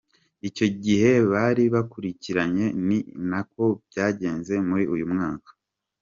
Icyo gihe bari bakurikiranye, ni nako byagenze muri uyu mwaka.